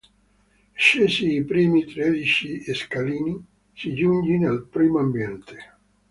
Scesi i primi tredici scalini, si giunge nel primo ambiente.